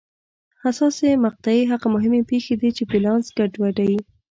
حساسې مقطعې هغه مهمې پېښې دي چې بیلانس ګډوډوي.